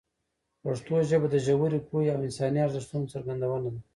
پښتو ژبه د ژورې پوهې او انساني ارزښتونو څرګندونه ده.